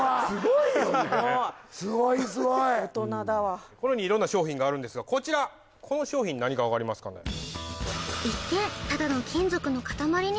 すごいすごいこのようにいろんな商品があるんですがこちらこの商品何か分かりますかね？